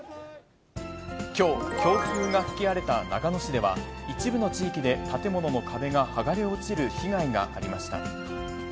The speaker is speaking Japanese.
きょう、強風が吹き荒れた長野市では、一部の地域で建物の壁が剥がれ落ちる被害がありました。